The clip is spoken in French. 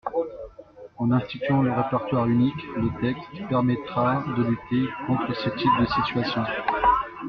En instituant le répertoire unique, le texte permettra de lutter contre ce type de situation.